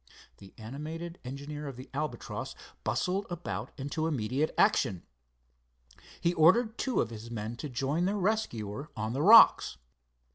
The animated engineer of the Albatross bustled about into immediate action. He ordered two of his men to join their rescuer on the rocks.